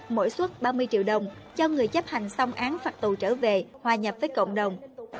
mỗi xuất ba mươi triệu đồng cho người chấp hành xong án phạt tù trở về hòa nhập với cộng đồng